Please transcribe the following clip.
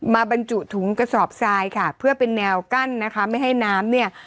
บรรจุถุงกระสอบทรายค่ะเพื่อเป็นแนวกั้นนะคะไม่ให้น้ำเนี่ย